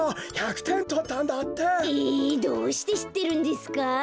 えどうしてしってるんですか？